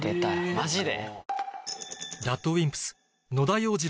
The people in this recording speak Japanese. マジで？